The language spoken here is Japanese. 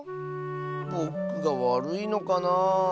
ぼくがわるいのかなあ。